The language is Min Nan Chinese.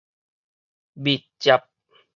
密接